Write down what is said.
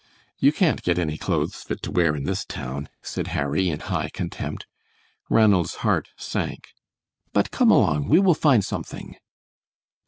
"You can't get any clothes fit to wear in this town," said Harry, in high contempt. Ranald's heart sank. "But come along, we will find something."